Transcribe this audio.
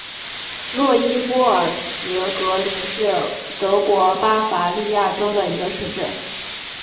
洛伊波尔茨格林是德国巴伐利亚州的一个市镇。